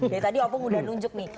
dari tadi opung udah nunjuk nih